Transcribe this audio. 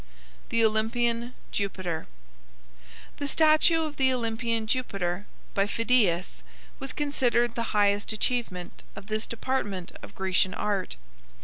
THE OLYMPIAN JUPITER The statue of the Olympian Jupiter by Phidias was considered the highest achievement of this department of Grecian art.